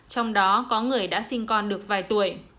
trong đó có người đã sinh con được vài tuổi